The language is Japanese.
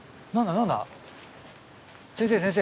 先生先生。